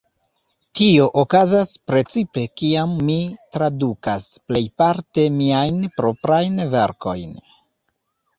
Tio okazas precipe kiam mi tradukas, plejparte miajn proprajn verkojn.